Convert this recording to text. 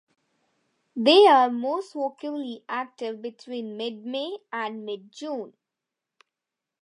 They are most vocally active between mid-May and mid-June.